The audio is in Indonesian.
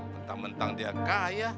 mentang mentang dia kaya